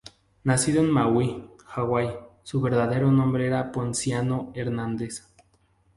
Nacido en Maui, Hawái, su verdadero nombre era Ponciano Hernandez.